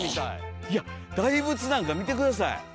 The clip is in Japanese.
いや大仏なんか見て下さい！